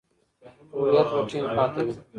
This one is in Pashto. هویت به ټینګ پاتې وي.